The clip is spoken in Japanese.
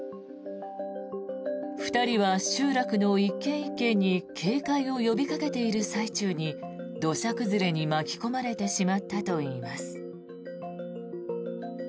２人は集落の１軒１軒に警戒を呼びかけている最中に土砂崩れに巻き込まれてしまったといいます。